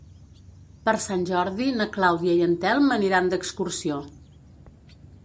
Per Sant Jordi na Clàudia i en Telm aniran d'excursió.